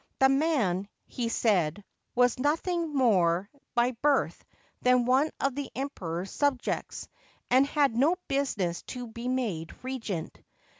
The man, he said, was nothing more by birth than one of the Emperor's subjects, and had no business to be made Regent.